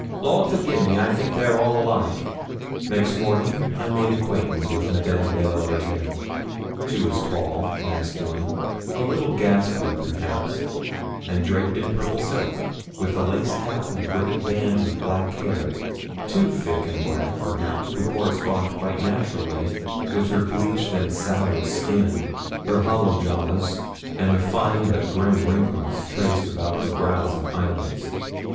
Lord forgi' me, I think they're all alike.' Next morning I made acquaintance with Madame de la Rougierre. She was tall, masculine, a little ghastly perhaps, and draped in purple silk, with a lace cap, and great bands of black hair, too thick and black, perhaps, to correspond quite naturally with her bleached and sallow skin, her hollow jaws, and the fine but grim wrinkles traced about her brows and eyelids.